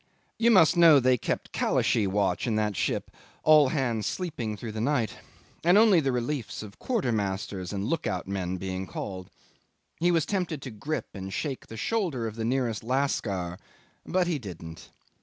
'You must know they kept Kalashee watch in that ship, all hands sleeping through the night, and only the reliefs of quartermasters and look out men being called. He was tempted to grip and shake the shoulder of the nearest lascar, but he didn't.